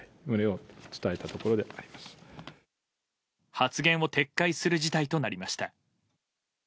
発言を撤回する事態となりました。